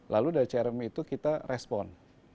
lalu dari crm itu kita respon